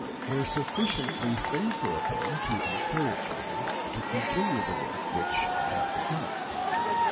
] were sufficiently favourable to encourage me to continue the work which I had begun.